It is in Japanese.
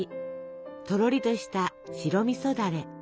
とろりとした白みそだれ。